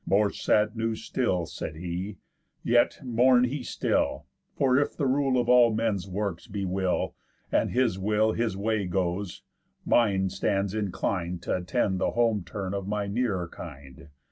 "More sad news still," said he, "yet, mourn he still; For if the rule of all men's works be will, And his will his way goes, mine stands inclin'd T' attend the home turn of my nearer kind.